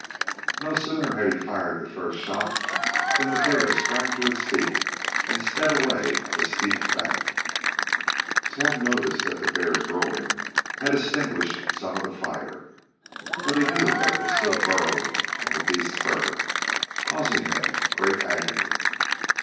No sooner had he fired the first shot, than the bear sprang to its feet and sped away up a steep bank. Tad noticed that the bear's rolling had extinguished some of the fire, but he knew that it was still burrowing in the beast's fur, causing him great agony.